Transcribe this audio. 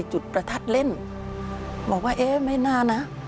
จุดประทัดเล่นบอกว่าเอ๊ะไม่น่านะ